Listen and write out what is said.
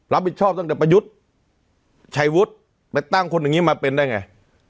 รับผิดชอบตั้งแต่ประยุทธ์ชัยวุฒิไปตั้งคนอย่างนี้มาเป็นได้ไง